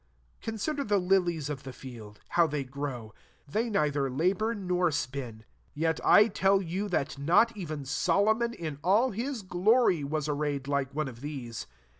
Consider the lilies of the field, how they grow : they neither ! labour nor spin : 29 yet I tell you, that not even Solomon in all his glory was arrayed like one of these.